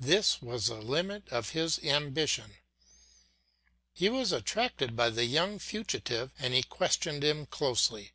This was the limit of his ambition. He was attracted by the young fugitive and he questioned him closely.